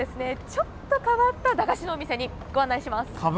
ちょっと変わった駄菓子のお店に、ご案内します！